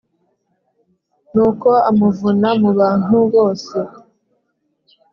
Nuko amuvana mu bantu bose